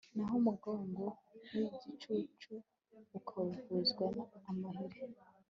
naho umugongo w'igicucu ukavuzwa amahiri